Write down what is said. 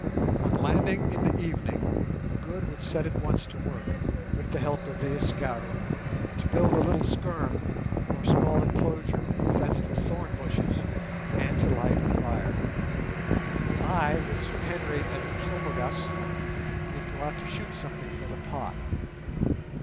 On landing in the evening, Good would at once set to work, with the help of the Askari, to build a little "scherm", or small enclosure, fenced with thorn bushes, and to light a fire. I, with Sir Henry and Umslopogaas, would go out to shoot something for the pot.